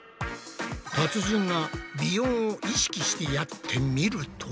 達人が鼻音を意識してやってみると。